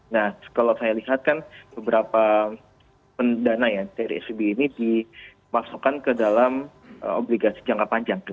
nah kalau saya lihat kan beberapa pendana ya dari svb ini dimasukkan ke dalam obligasi jangka panjang